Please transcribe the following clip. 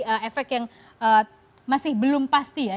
ada efek yang masih belum pasti ya